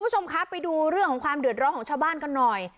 คุณผู้ชมครับไปดูเรื่องของความเดือดร้อนของชาวบ้านกันหน่อย